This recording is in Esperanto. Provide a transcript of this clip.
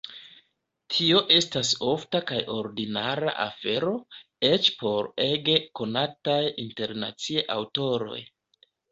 Tio estas ofta kaj ordinara afero, eĉ por ege konataj internacie aŭtoroj.